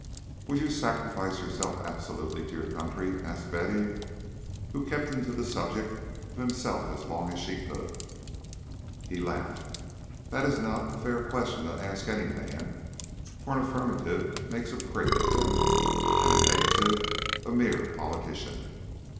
"Would you sacrifice yourself absolutely to your country?" asked Betty, who kept him to the subject of himself as long as she could. He laughed. "That is not a fair question to ask any man, for an affirmative makes a prig of him and a negative a mere politician.